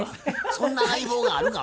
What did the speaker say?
そんな相棒があるか。